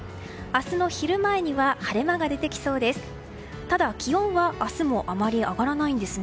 明日の昼前には晴れ間が出てきそうです。